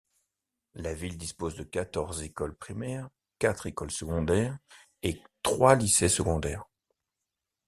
La ville dispose de quatorze écoles primaires, quatre écoles secondaires et trois lycées secondaires.